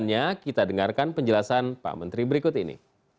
selanjutnya kita dengarkan penjelasan pak menteri berikut ini